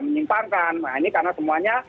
menyimpangkan nah ini karena semuanya